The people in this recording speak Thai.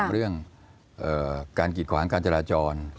เรื่องการกีดขวางการจราจร